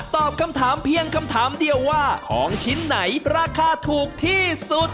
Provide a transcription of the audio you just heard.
ตอบคำถามเพียงคำถามเดียวว่าของชิ้นไหนราคาถูกที่สุด